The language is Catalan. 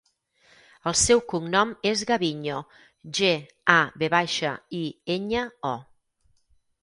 El seu cognom és Gaviño: ge, a, ve baixa, i, enya, o.